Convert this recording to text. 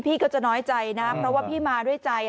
พี่ก็จะน้อยใจนะเพราะว่าพี่มาด้วยใจ